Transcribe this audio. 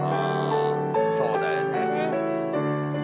そうだよね。